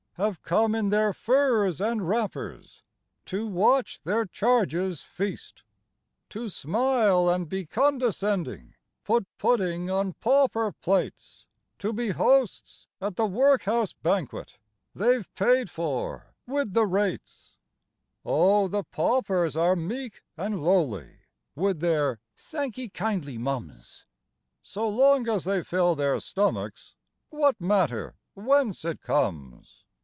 Have come in their furs and v\rapper5. To watch their charges feast ; IN THE WORKHOUSE. . To smile and be condescending, Put pudding on pauper plates, To be hosts at the workhouse banquet They Ve paid for — ^\vith the rates. Oh, the paupers are meek and lowly With their " Thank 'ee kindly, mum's"; So long as they fill their stomachs, What matter it whence it comes